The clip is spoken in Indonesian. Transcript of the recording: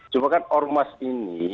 cuma kan ormas ini